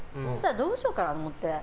どうしようかなと思って。